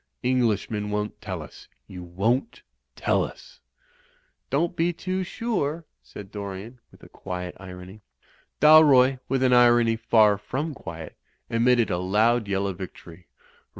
Englishmen won't tell us I You won't tell us !" "Don't be too sure," said Dorian, with a quiet irony. Dalroy, with an irony far from quiet, emitted a loud yell of victory.